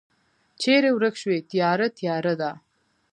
چیری ورک شوی تیاره، تیاره ده